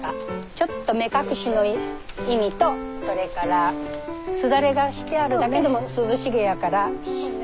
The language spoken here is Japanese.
ちょっと目隠しの意味とそれからすだれがしてあるだけでも涼しげやから。